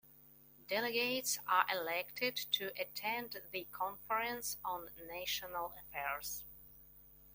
Delegates are elected to attend the Conference on National Affairs.